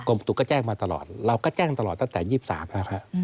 ประตูก็แจ้งมาตลอดเราก็แจ้งตลอดตั้งแต่๒๓แล้วค่ะ